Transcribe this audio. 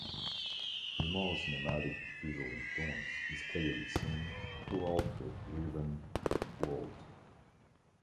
His more cinematic visual influence is clearly seen throughout the "Riven" world.